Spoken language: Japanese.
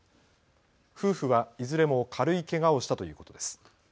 夫婦はいずれも軽いけがをしたということです。